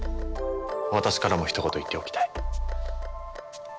私からもひと言言っておきたい。